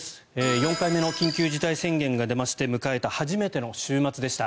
４回目の緊急事態宣言が出まして迎えた初めての週末でした。